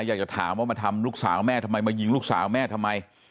อยากจะถามว่ามาทำลูกสาวแม่ทำไมมายิงลูกสาวแม่ทำไม